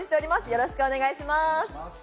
よろしくお願いします。